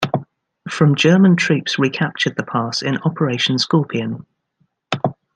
From German troops recaptured the pass in Operation Skorpion.